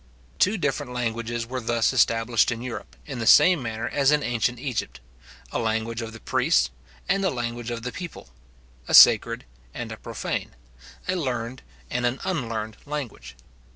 Two different languages were thus established in Europe, in the same manner as in ancient Egypt: a language of the priests, and a language of the people; a sacred and a profane, a learned and an unlearned language.